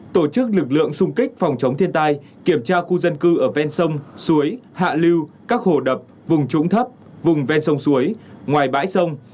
tổ chức lực lượng xung kích phòng chống thiên tai kiểm tra khu dân cư ở ven sông suối hạ lưu các hồ đập vùng trũng thấp vùng ven sông suối ngoài bãi sông